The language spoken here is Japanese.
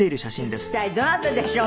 一体どなたでしょう？